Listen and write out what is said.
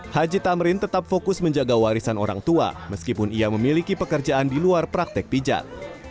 haji tamrin tetap fokus menjaga warisan orang tua meskipun ia memiliki pekerjaan di luar praktek pijat